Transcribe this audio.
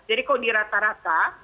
jadi kalau di rata rata